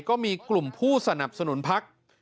ก็มีกลุ่มผู้สนับสนุนพัก